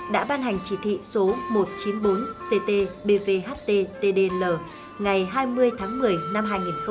đã ban hành chỉ thị số một trăm chín mươi bốn ctbvhtdl ngày hai mươi tháng một mươi năm hai nghìn một mươi chín